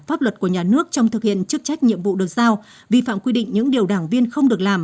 pháp luật của nhà nước trong thực hiện chức trách nhiệm vụ được giao vi phạm quy định những điều đảng viên không được làm